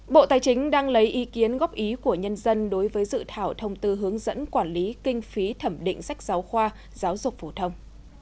bộ tài chính đang lấy ý kiến góp ý của nhân dân đối với dự thảo thông tư hướng dẫn quản lý kinh phí thẩm định sách giáo khoa giáo dục phổ thông